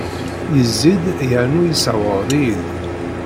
Yezzi-d yernu yessewɛed-iyi-d.